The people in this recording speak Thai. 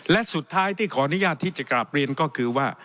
และสุดท้ายที่ขออนุญาตที่จะกราบเรียนก็คือว่า